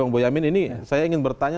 bang boyamin ini saya ingin bertanya